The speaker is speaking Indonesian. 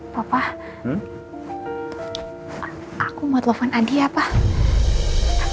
papa aku mau telepon adi ya pak